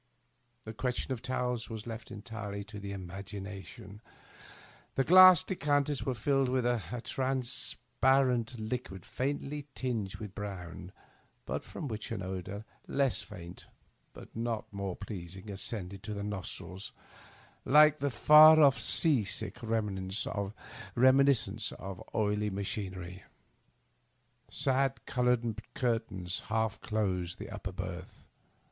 The question of towels was left entirely to the imagination. The glass decanters were fiilled with a transparent liquid faintly tinged with brown, but from which an odor less faint, but not more pleasing, ascended to the nostrils, like a f ar ofi sea sick reminiscence of oily Digitized by VjOOQIC THE UPPER EERTEL 23 macliinery. Sad colored cartaiiis half cloBed the upper berth.